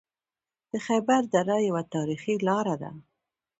د خیبر دره یوه تاریخي لاره ده